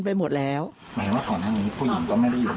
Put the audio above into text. ไปหมดแล้วหมายว่าตอนนั้นนี้ผู้หญิงก็ไม่ได้อยู่บ้านหมด